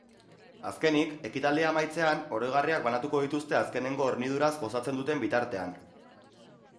Azkenik, ekitaldia amaitzean oroigarriak banatuko dituzte azkenengo horniduraz gozatzen duten bitartean.